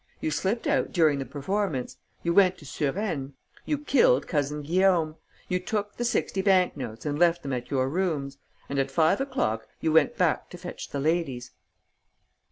You slipped out during the performance. You went to Suresnes. You killed Cousin Guillaume. You took the sixty bank notes and left them at your rooms. And at five o'clock you went back to fetch the ladies."